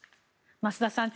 増田さん